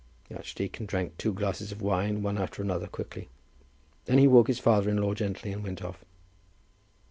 The archdeacon drank two glasses of wine, one after another, quickly. Then he woke his father in law gently, and went off.